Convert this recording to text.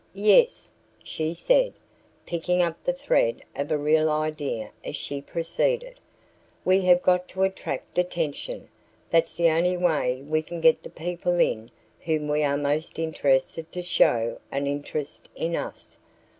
"Yes," she said, picking up the thread of a real idea as she proceeded; "we have got to attract attention. That's the only way we can get the people in whom we are most interested to show an interest in us."